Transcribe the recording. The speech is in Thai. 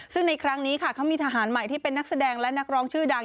ซึ่งในครั้งนี้ค่ะเขามีทหารใหม่ที่เป็นนักแสดงและนักร้องชื่อดัง